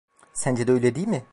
Sence de öyle değil mi?